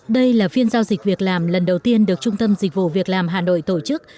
đây là phiên giao dịch việc làm lần đầu tiên được trung tâm dịch vụ việc làm hà nội tổ chức